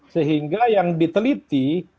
sehingga yang diteliti